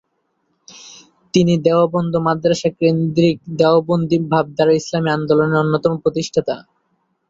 তিনি দেওবন্দ মাদ্রাসা কেন্দ্রিক দেওবন্দি ভাবধারার ইসলামি আন্দোলনের অন্যতম প্রতিষ্ঠাতা।